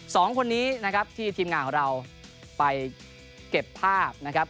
สองคนนี้นะครับที่ทีมงานของเราไปเก็บภาพนะครับ